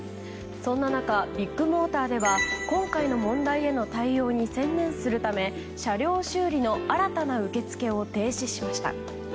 そんな中ビッグモーターでは今回の問題への対応に専念するため車両修理の新たな受け付けを停止しました。